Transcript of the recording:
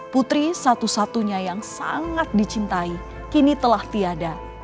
putri satu satunya yang sangat dicintai kini telah tiada